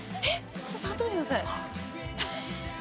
ちょっと触ってみてください